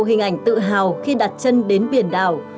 hình ảnh tự hào khi đặt chân đến biển đảo